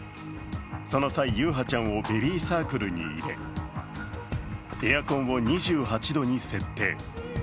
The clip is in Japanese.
その際、優陽ちゃんをベビーサークルに入れ、エアコンを２８度に設定。